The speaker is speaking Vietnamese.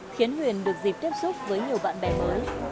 khiến huyền được dịp tiếp xúc với nhiều bạn bè mới